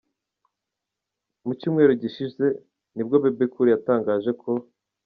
Mu cyumweru gishize, ni bwo Bebe Cool yatangaje ko